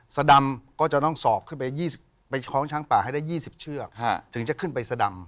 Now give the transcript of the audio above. สดำก็จะต้องสอบขึ้นไปคล้องช้างป่าให้ได้๒๐เชือกถึงจะขึ้นไปสดำ